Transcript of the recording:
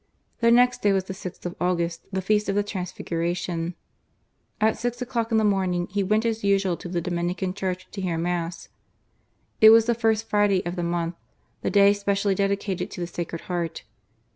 The next day was the 6th of August, the feast of the Transliguration. At six o'clock in the morning he went as usual to the Dominican Church to hear Mass. It was the First Friday of the month, the day specially dedicated to the Sacred Heart.